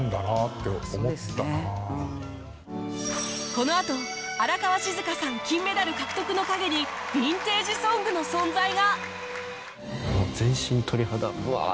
このあと荒川静香さん金メダル獲得の陰にヴィンテージ・ソングの存在が